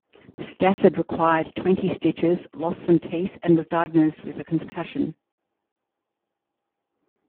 Stafford required twenty stitches, lost some teeth and was diagnosed with a concussion.